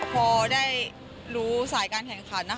พอได้รู้สายการแข่งขัน